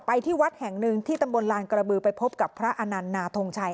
ที่วัดแห่งหนึ่งที่ตำบลลานกระบือไปพบกับพระอนันต์นาทงชัย